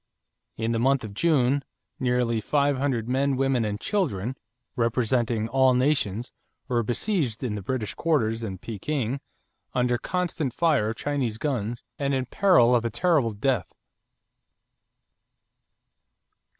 In the month of June nearly five hundred men, women, and children, representing all nations, were besieged in the British quarters in Peking under constant fire of Chinese guns and in peril of a terrible death.